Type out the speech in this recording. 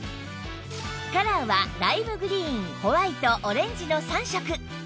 カラーはライムグリーンホワイトオレンジの３色